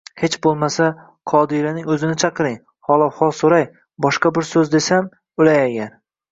Hech boʻlmasa, Qadiraning oʻzini chaqiring, hol–ahvol soʻray, boshqa bir soʻz desam, oʻlay agar